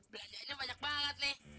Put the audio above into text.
belanjanya banyak banget nek